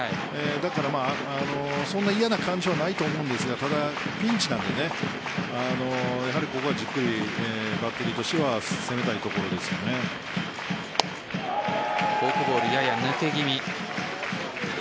だからそんな嫌な感じはないと思うんですがただ、ピンチなのでここはじっくりバッテリーとしてはフォークボール、やや抜け気味。